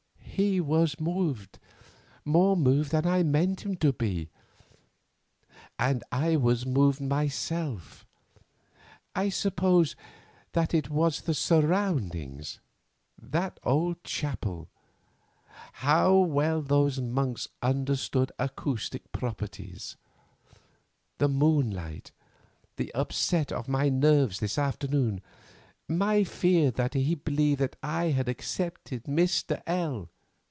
He was moved—more moved than I meant him to be, and I was moved myself. I suppose that it was the surroundings; that old chapel—how well those monks understood acoustic properties—the moonlight, the upset to my nerves this afternoon, my fear that he believed that I had accepted Mr. L.